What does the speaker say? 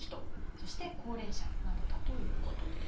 そして「高齢者」などだということです。